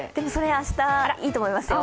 明日、いいと思いますよ。